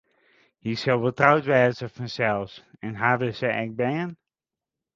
Hy sil wol troud wêze fansels en hawwe se ek bern?